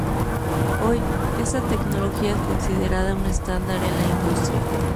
Hoy, esta tecnología es considerada un estándar en la industria.